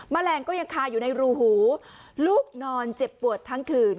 แมลงก็ยังคาอยู่ในรูหูลูกนอนเจ็บปวดทั้งคืน